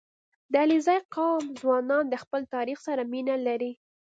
• د علیزي قوم ځوانان د خپل تاریخ سره مینه لري.